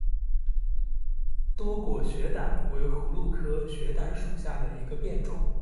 多果雪胆为葫芦科雪胆属下的一个变种。